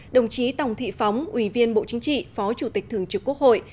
đồng chí tòng thị phóng ủy viên bộ chính trị phó chủ tịch thường trực quốc hội